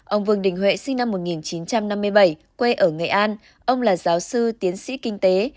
ông vương đình huệ sinh năm một nghìn chín trăm năm mươi bảy quê ở nghệ an ông là giáo sư tiến sĩ kinh tế